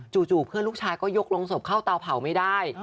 เพื่อนลูกชายก็ยกลงศพเข้าเตาเผาไม่ได้